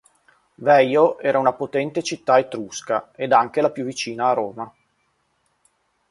Veio era una potente città etrusca, ed anche la più vicina a Roma.